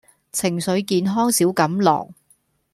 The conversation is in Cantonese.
情緒健康小錦囊